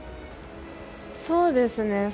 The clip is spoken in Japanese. そうですね。